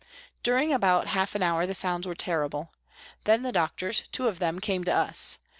During about half an hour the sounds were terrible. Then the doctors, two of them, came to us.